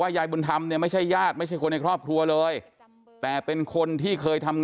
แข็งแข็งแข็งแข็งแข็งแข็งแข็งแข็งแข็งแข็งแข็งแข็ง